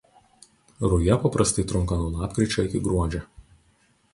Ruja paprastai trunka nuo lapkričio iki gruodžio.